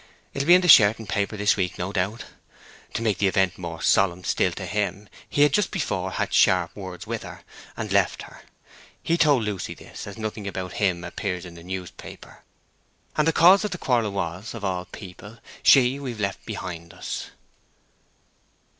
It will be in the Sherton paper this week, no doubt. To make the event more solemn still to him, he had just before had sharp words with her, and left her. He told Lucy this, as nothing about him appears in the newspaper. And the cause of the quarrel was, of all people, she we've left behind us."